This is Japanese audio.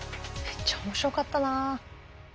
めっちゃ面白かったな。